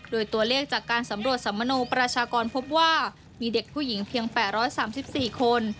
โดยตัวเลือกจากการสำรวจสำมานูประชากรพบว่ามีเด็กผู้หญิงเพียงแปดร้อยสามสิบสี่คน